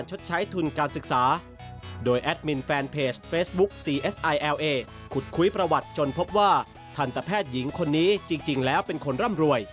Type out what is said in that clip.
จริงแล้วเป็นคนร่ำรวย